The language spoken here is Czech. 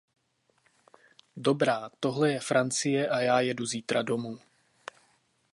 Dobrá, tohle je Francie a já jedu zítra domů.